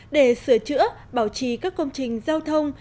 để sửa chữa bảo trì các công trình giao thông